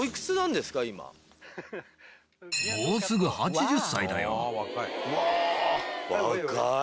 もうすぐ８０歳だよ。